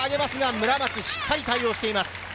村松、しっかり対応しています。